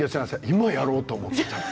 今やろうと思っていた。